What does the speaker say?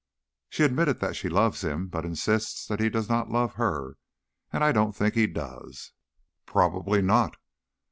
"She admitted that she loves him, but insists that he does not love her, and I don't think he does." "Probably not.